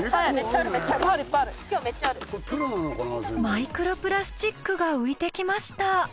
マイクロプラスチックが浮いてきました。